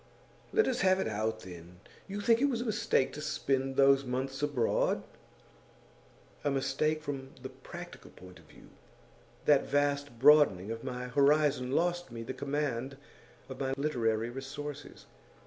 'Let us have it out, then. You think it was a mistake to spend those months abroad?' 'A mistake from the practical point of view. That vast broadening of my horizon lost me the command of my literary resources.